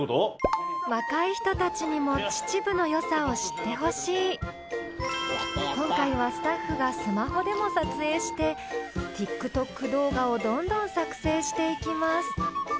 若い人たちにも秩父のよさを知ってほしい今回はスタッフがスマホでも撮影してＴｉｋＴｏｋ動画をどんどん作成していきます